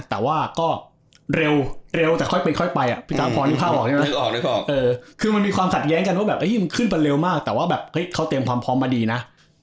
แต่ว่าก็เร็วเร็วแต่ค่อยไปค่อยไปอ่ะมีความขัดแย้งกันว่ามันขึ้นไปเร็วมากแต่ว่าเขาเตรียมความพร้อมมาดีนะ